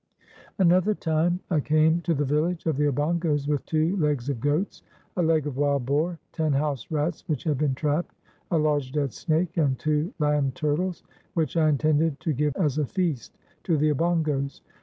Another time I came to the village of the Obongos with two legs of goats, a leg of wild boar, ten house rats which had been trapped, a large dead snake, and two land turtles, which I intended to give as a feast to the Obongos.